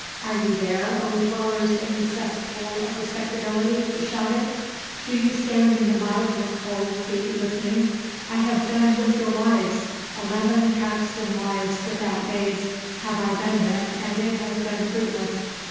"Are you there, oh dwellers in the cesspool of respectability?" he shouted. "Do you stand in the mud with cold feet listening? I have been with your wives. Eleven Caxton wives without babes have I been with and it has been fruitless.